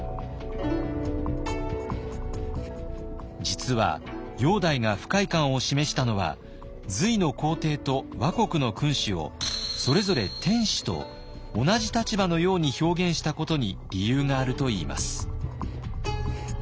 実は煬帝が不快感を示したのは隋の皇帝と倭国の君主をそれぞれ「天子」と同じ立場のように表現したことに理由があるといいます。